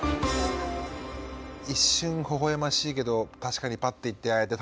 一瞬ほほえましいけど確かにパッと行ってああ